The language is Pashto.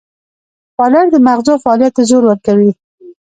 خوړل د مغزو فعالیت ته زور ورکوي